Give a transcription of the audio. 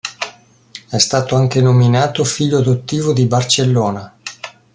È stato anche nominato figlio adottivo di Barcellona.